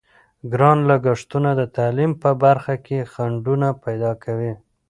ګران لګښتونه د تعلیم په برخه کې خنډونه پیدا کوي.